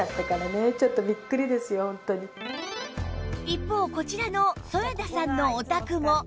一方こちらの添田さんのお宅も